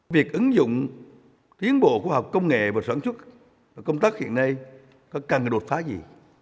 việc ứng dụng tiến bộ của học công nghệ và sản xuất và công tác hiện nay có cần đột phá gì